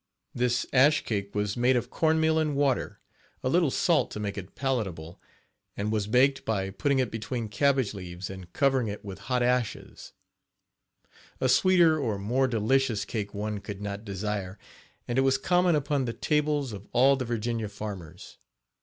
This ash cake was made of corn meal and water, a little salt to make it palatable, and was baked by putting it between cabbage leaves and covering it with Page 11 hot ashes. A sweeter or more delicious cake one could not desire, and it was common upon the tables of all the Virginia farmers.